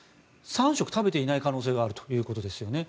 ３食食べていない可能性があるということですよね。